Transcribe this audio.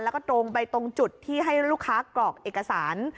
แล้วก็ตรงไปตรงจุดที่ให้ลูกค้ากรอกเอกสาร